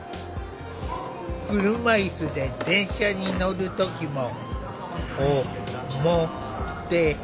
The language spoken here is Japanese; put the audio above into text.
車いすで電車に乗る時も“お・も・て・な・し”。